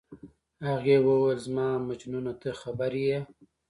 هغې وویل: زما مجنونه، ته خبر یې؟